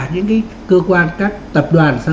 những cái cơ quan các tập đoàn